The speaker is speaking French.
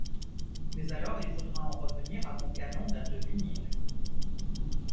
Mais alors il faudra en revenir à mon canon d’un demi-mille.